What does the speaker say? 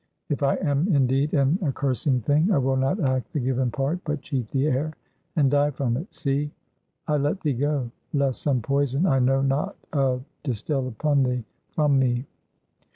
If I am indeed an accursing thing, I will not act the given part, but cheat the air, and die from it. See; I let thee go, lest some poison I know not of distill upon thee from me."